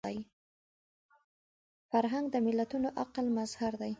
فرهنګ د ملتونو عقل مظهر دی